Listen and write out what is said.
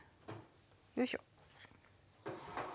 よいしょ。